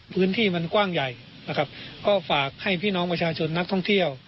พื้นที่มันกว้างใหญ่นะครับก็ฝากให้พี่น้องประชาชนนักท่องเที่ยว